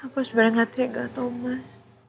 aku sebenarnya gak teriak gak tau mas